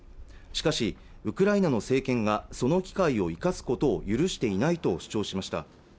しかしウクライナの政権がその機会を生かすことを許していないと主張しました